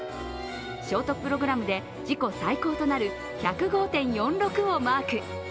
ショートプログラムで自己最高となる１０５．４６をマーク。